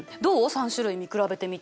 ３種類見比べてみて。